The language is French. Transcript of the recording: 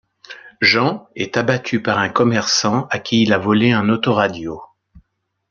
Jean est abattu par un commerçant à qui il a volé un autoradio.